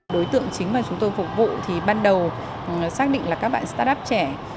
đối tượng chính mà chúng tôi phục vụ thì ban đầu xác định là các bạn start up trẻ